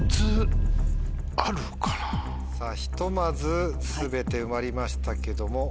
ひとまず全て埋まりましたけども。